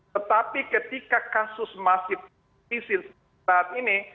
tetapi ketika kasus masih saat ini